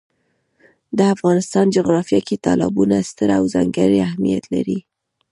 د افغانستان جغرافیه کې تالابونه ستر او ځانګړی اهمیت لري.